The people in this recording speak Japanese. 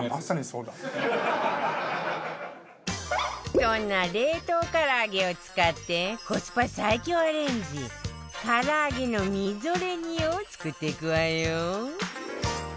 そんな冷凍唐揚げを使ってコスパ最強アレンジ唐揚げのみぞれ煮を作っていくわよ